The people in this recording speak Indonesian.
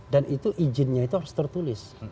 dan itu izinnya itu harus tertulis